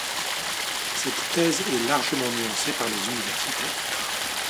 Cette thèse est largement nuancée par les universitaires.